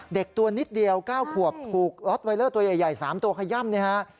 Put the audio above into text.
เด็กตัวนิดเดียว๙ขวบโพลลทไวเลอร์ตัวใหญ่๓ตัวย่ำ